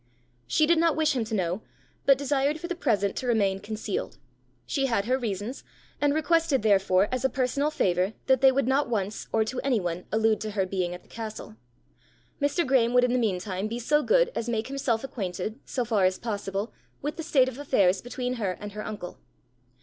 She did not wish him to know, but desired for the present to remain concealed. She had her reasons; and requested therefore as a personal favour that they would not once or to any one allude to her being at the castle. Mr. Graeme would in the meantime be so good as make himself acquainted, so far as possible, with the state of affairs between her and her uncle.